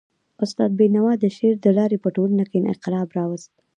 استاد بینوا د شعر د لاري په ټولنه کي انقلاب راوست.